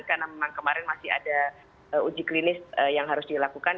karena memang kemarin masih ada uji klinis yang harus dilakukan